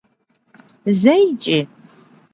Zeiç'i?